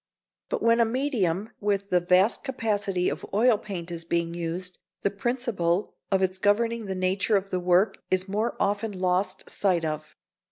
But when a medium with the vast capacity of oil paint is being used, the principle of its governing the nature of the work is more often lost sight of.